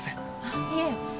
あっいえ